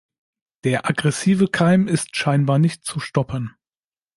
Der aggressive Keim ist scheinbar nicht zu stoppen.